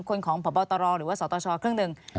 คนของพบตรหรือว่าสตชครึ่งหนึ่ง